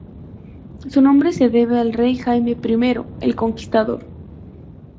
Su nombre se debe al rey Jaime I el Conquistador.